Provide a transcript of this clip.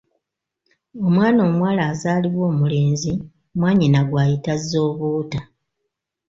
Omwana omuwala azaalibwa omulenzi mwannyina gw'ayita zooboota.